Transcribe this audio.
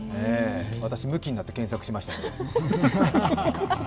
私、むきになって検索してみましたが。